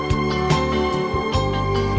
đêm mưa về gió biển